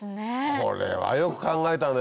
これはよく考えたね。